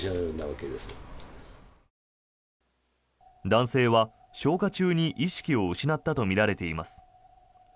男性は、消火中に意識を失ったとみられています。